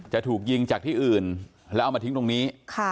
จะถูกยิงจากที่อื่นแล้วเอามาทิ้งตรงนี้